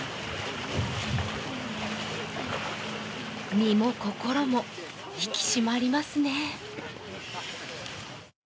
身も心も引き締まりますね。